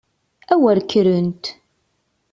A wer kkrent!